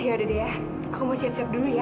yaudah deh ya aku mau siap siap dulu ya